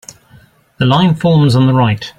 The line forms on the right.